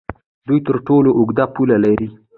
دوی تر ټولو اوږده پوله لري.